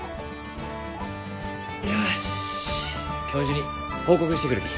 よし教授に報告してくるき。